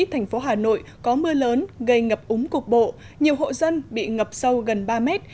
thành phố hà nội có mưa lớn gây ngập úng cục bộ nhiều hộ dân bị ngập sâu gần ba mét